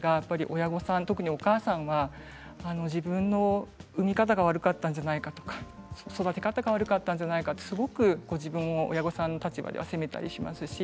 親御さん、特にお母さんは自分の産み方が悪かったじゃないか、育て方が悪かったんじゃないかと親御さんたちはご自分を責めたりします。